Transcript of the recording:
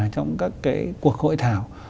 trong các cái cuộc hội thảo